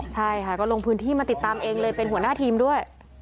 ใช่ค่ะก็ลงพื้นที่มาติดตามเองเลยเป็นหัวหน้าทีมด้วย